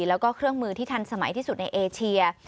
แล้วก็เครื่องมือที่ทันสมัยที่สุดในเอเชีย